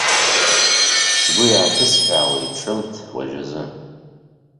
Сгәы иааҭысҳәаауеит ҿымҭ уажәазы.